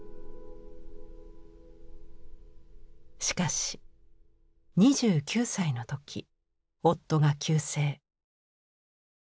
しかし２９歳の時夫が急逝。